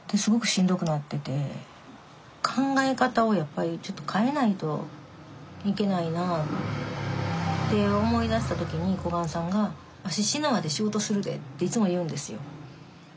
考え方をやっぱりちょっと変えないといけないなあって思い出した時に小雁さんが「わし死ぬまで仕事するで」っていつも言うんですよ。